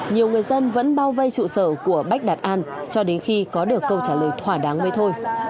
nhiều người dân vẫn bao vây trụ sở của bách đạt an cho đến khi có được câu trả lời thỏa đáng với thôi